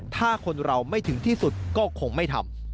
ถ้าคนเราไม่ถึงที่สุดก็คงไม่ทำ